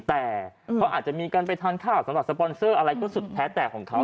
แต่เขาอาจจะมีการไปทานข้าวสำหรับสปอนเซอร์อะไรก็สุดแท้แต่ของเขา